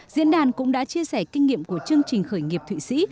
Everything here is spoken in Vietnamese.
diễn đàn cũng đã chia sẻ kinh nghiệm của chương trình khởi nghiệp thụy sĩ